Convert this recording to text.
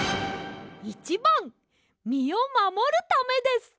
①ばんみをまもるためです！